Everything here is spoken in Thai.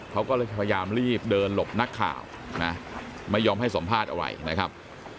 เขาก็เลยพยายามรีบเดินหลบนักข่าวนะไม่ยอมให้สัมภาษณ์อะไรนะครับ